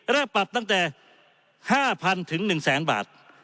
และปรับตั้งแต่๕๐๐๐ถึง๑๐๐๐๐๐บาท